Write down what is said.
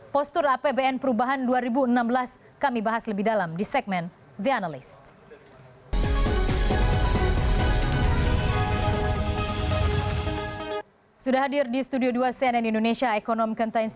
postur apbn perubahan dua ribu enam belas kami bahas lebih dalam di segmen the analyst